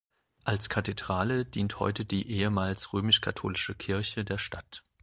Als Kathedrale dient heute die ehemals römisch-katholische Kirche der Stadt.